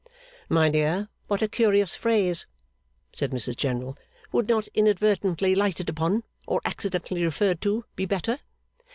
'My dear, what a curious phrase,' said Mrs General. 'Would not inadvertently lighted upon, or accidentally referred to, be better?